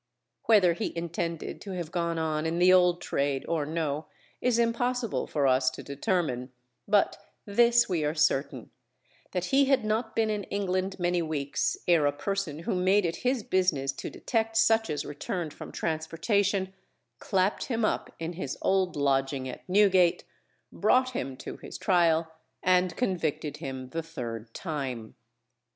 Whether he intended to have gone on in the old trade or no is impossible for us to determine, but this we are certain, that he had not been in England many weeks ere a person who made it his business to detect such as returned from transportation clapped him up in his old lodging at Newgate, brought him to his trial, and convicted him the third time.